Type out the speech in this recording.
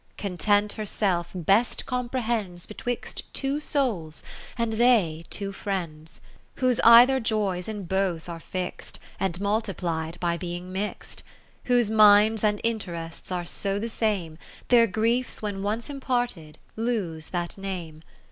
IX Content herself best comprehends Betwixt two souls, and they two friends, 5° Whose either joys in both are fix'd, And multiplied by being mix'd : Whose minds and interests are so the same ; Their griefs, when once imparted, lose that name.